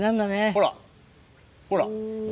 ほらほら。